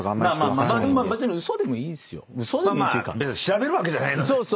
別に調べるわけじゃないので。